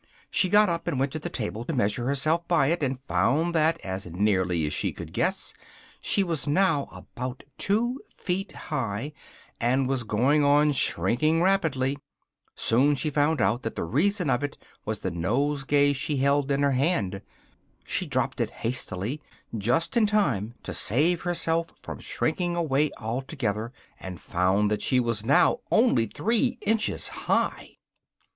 She got up and went to the table to measure herself by it, and found that, as nearly as she could guess, she was now about two feet high, and was going on shrinking rapidly: soon she found out that the reason of it was the nosegay she held in her hand: she dropped it hastily, just in time to save herself from shrinking away altogether, and found that she was now only three inches high.